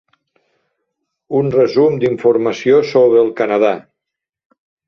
Un resum d'informació sobre el Canadà.